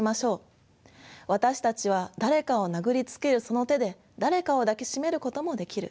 私たちは誰かを殴りつけるその手で誰かを抱き締めることもできる。